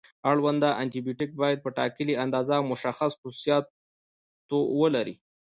اړونده انټي بیوټیک باید په ټاکلې اندازه او مشخص خصوصیاتو ولري.